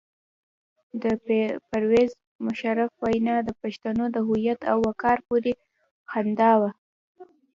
د پرویز مشرف وینا د پښتنو د هویت او وقار پورې خندا وه.